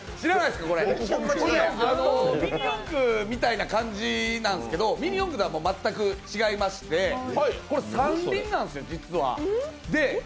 ミニ四駆みたいな感じなんですけど、ミニ四駆とは全く違いまして、実はこれ三輪なんですよ。